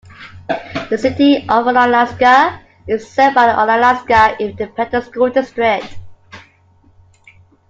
The City of Onalaska is served by the Onalaska Independent School District.